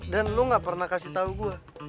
dan lo gak pernah kasih tau gue